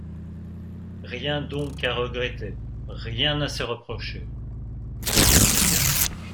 Rien donc à regretter, rien à se reprocher.